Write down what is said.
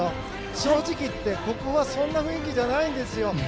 正直言って、ここはそんな雰囲気じゃないんですよ。